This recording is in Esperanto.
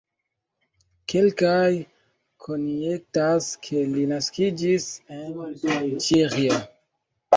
Kelkaj konjektas, ke li naskiĝis en Ĉeĥio.